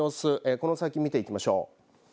この先、見ていきましょう。